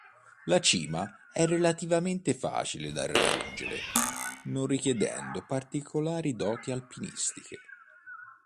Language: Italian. La cima è relativamente facile da raggiungere, non richiedendo particolari doti alpinistiche.